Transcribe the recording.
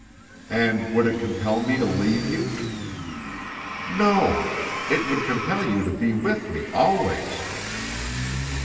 "And would it compel me to leave you?" "No; it would compel you to be with me always."